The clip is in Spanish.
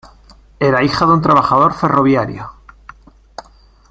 Era hija de un trabajador ferroviario.